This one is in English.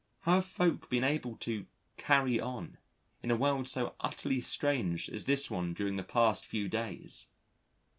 How have folk been able to "carry on" in a world so utterly strange as this one during the past few days!